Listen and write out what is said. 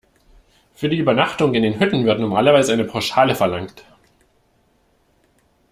Für die Übernachtung in den Hütten wird normalerweise eine Pauschale verlangt.